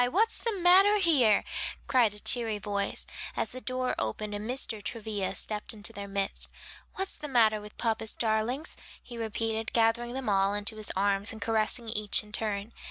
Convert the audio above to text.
what's the matter here?" cried a cheery voice, as the door opened and Mr. Travilla stepped into their midst. "What's the matter with papa's darlings?" he repeated, gathering them all into his arms, and caressing each in turn.